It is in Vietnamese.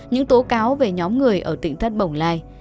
những tố cáo về nhóm người ở tỉnh thất bồng lai